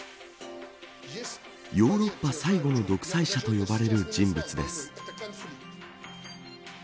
ヨーロッパ最後の独裁者と呼ばれる人物です。